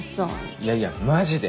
いやいやマジで。